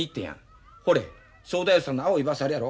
ほれ正太夫さんの青いバスあるやろ？